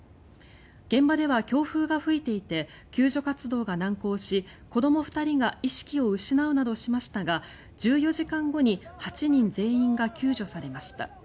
現場では強風が吹いていて救助活動が難航し子ども２人が意識を失うなどしましたが１４時間後に８人全員が救助されました。